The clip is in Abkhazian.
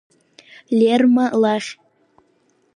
Лерма лахь.